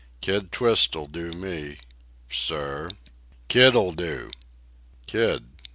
Kid Twist'll do me ... sir." "Kid'll do!" "Kid